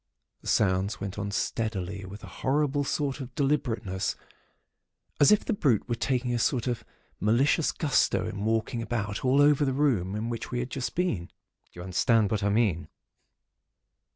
The sounds went on steadily with a horrible sort of deliberateness; as if the brute were taking a sort of malicious gusto in walking about all over the room in which we had just been. Do you understand just what I mean?